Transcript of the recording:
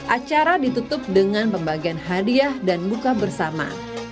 acara ditutup dengan pembagian hadiah dan buka bersama